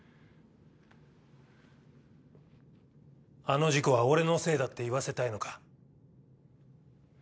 あの事故は俺のせいだって言わせたいのか。